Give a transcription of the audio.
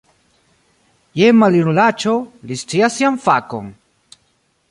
Jen, maljunulaĉo, li scias sian fakon!